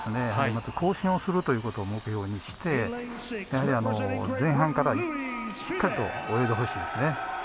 まず更新をするということを目標にしてやはり前半からしっかりと泳いでほしいですね。